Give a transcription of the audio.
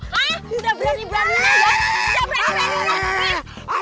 hah udah berani beraninya dong